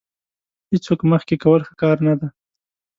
هېڅوک مخکې کول ښه کار نه دی.